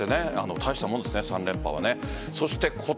大したもんですね、３連覇は。